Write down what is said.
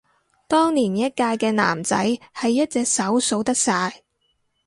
當年一屆嘅男仔係一隻手數得晒